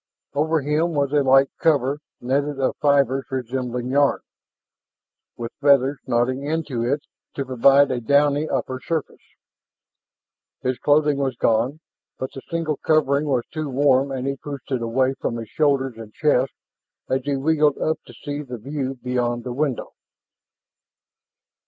Over him was a light cover netted of fibers resembling yarn, with feathers knotted into it to provide a downy upper surface. His clothing was gone, but the single covering was too warm and he pushed it away from his shoulders and chest as he wriggled up to see the view beyond the window.